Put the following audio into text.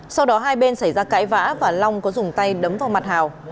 sau đó hai bên xảy ra cãi vã và long có dùng tay đấm vào mặt hào